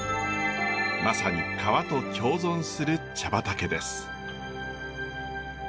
まさに川と共存する茶畑です。